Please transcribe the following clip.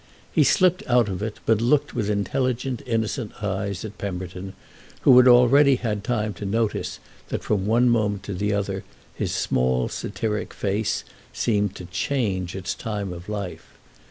He slipped out of it, but looked with intelligent innocent eyes at Pemberton, who had already had time to notice that from one moment to the other his small satiric face seemed to change its time of life.